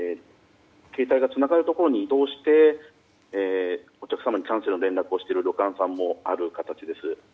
携帯がつながるところに移動してお客様にキャンセルの連絡をしている旅館さんもある形です。